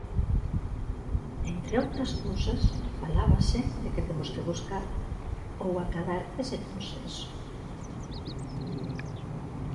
Entre outras cousas, falábase de que temos que buscar ou acadar ese consenso.